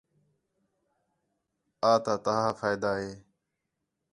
آتا ، تہا فائدہ ہے